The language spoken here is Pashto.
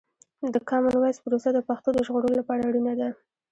د کامن وایس پروسه د پښتو د ژغورلو لپاره اړینه ده.